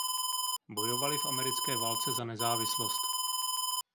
Bojovali v Americké válce za nezávislost.